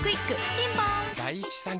ピンポーン